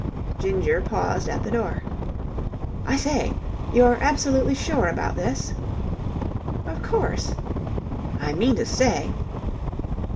Ginger paused at the door. "I say, you're absolutely sure about this?" "Of course." "I mean to say..."